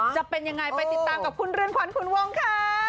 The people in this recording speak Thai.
จะเป็นยังไงไปติดตามกับคุณเรือนขวัญขุนวงค่ะ